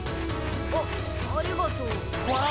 あありがとう。